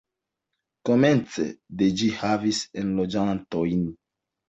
Komence de ĝi havis enloĝantojn.